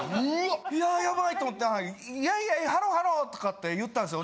いやヤバイと思って「イェイイェイハローハロー」とかって言ったんですよ。